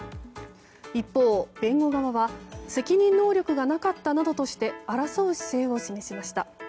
一方、弁護側は責任能力がなかったなどとして争う姿勢を示しました。